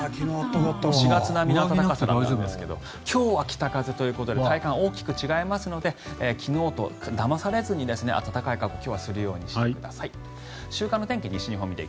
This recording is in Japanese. ４月並みの暖かさでしたが今日は北風ということで体感、大きく違いますので昨日にだまされずに暖かい格好をするようにしてください。